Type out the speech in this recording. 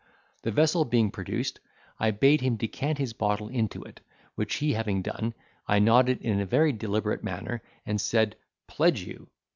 The vessel being produced, I bade him decant his bottle into it, which he having done, I nodded in a very deliberate manner, and said, "Pledge you."